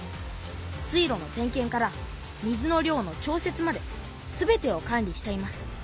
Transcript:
水路の点けんから水の量の調節まで全てを管理しています。